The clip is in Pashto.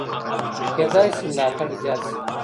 کېدای سي ملاتړ زیات سي.